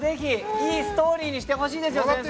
いいストーリーにしてほしいですよ先生！